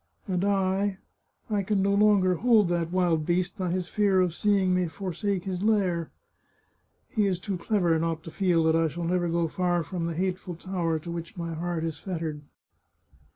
And I — I can no longer hold that wild beast by his fear of seeing me forsake his lair! " He is too clever not to feel that I shall never go far from the hateful tower to which my heart is fettered.